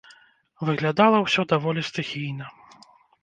Выглядала ўсё даволі стыхійна.